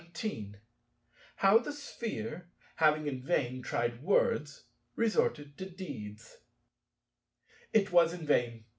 § 17 How the Sphere, having in vain tried words, resorted to deeds It was in vain.